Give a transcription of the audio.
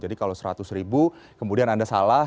jadi kalau seratus ribu kemudian anda salah